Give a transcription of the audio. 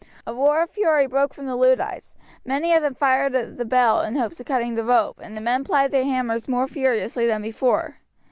A roar of fury broke from the Luddites; many of them fired at the bell in hopes of cutting the rope, and the men plied their hammers more furiously than before.